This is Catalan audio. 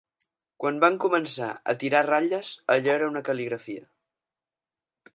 Quan van començar a tirar ratlles allò era una cal·ligrafia